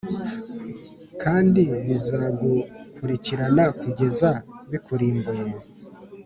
kandi bizagukurikirana kugeza bikurimbuye.